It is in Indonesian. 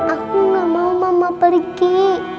aku gak mau mama pergi